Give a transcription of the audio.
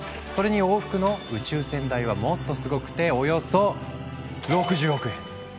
それに往復の宇宙船代はもっとすごくておよそ６０億円。